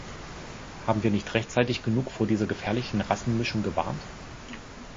Haben wir nicht rechtzeitig genug vor dieser gefährlichen Rassenmischung gewarnt?